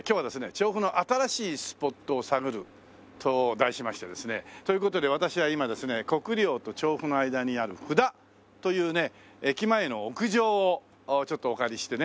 調布の新しいスポットを探ると題しましてですね。という事で私は今ですね国領と調布の間にある布田というね駅前の屋上をちょっとお借りしてね。